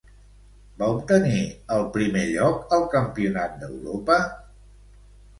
Va obtenir el primer lloc al Campionat d'Europa?